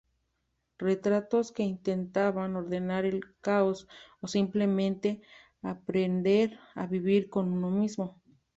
Retratos que intentan ordenar el caos o simplemente aprehender a vivir con uno mismo.